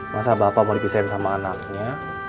masa bapak mau dipisahin sama anaknya